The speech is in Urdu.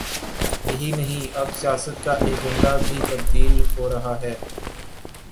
یہی نہیں، اب سیاست کا ایجنڈا بھی تبدیل ہو رہا ہے۔